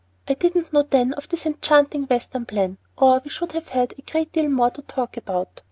I didn't know then of this enchanting Western plan, or we should have had a great deal more to talk about.